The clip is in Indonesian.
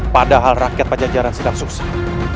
padahal rakyat pajajaran sedang sukses